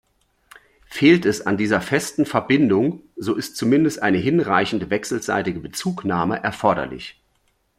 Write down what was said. Fehlt es an dieser festen Verbindung, so ist zumindest eine hinreichende wechselseitige Bezugnahme erforderlich.